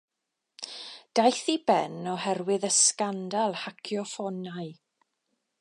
Daeth i ben oherwydd y sgandal hacio ffonau.